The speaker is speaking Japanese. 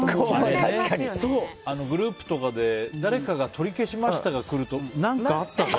グループとかで誰かが取り消しましたが来ると何かあったか？